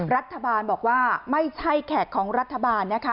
รัฐบาลบอกว่าไม่ใช่แขกของรัฐบาลนะคะ